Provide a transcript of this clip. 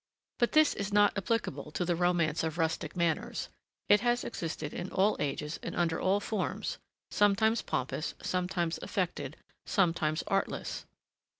But this is not applicable to the romance of rustic manners: it has existed in all ages and under all forms, sometimes pompous, sometimes affected, sometimes artless.